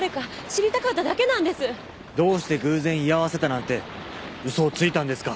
どうして偶然居合わせたなんて嘘をついたんですか？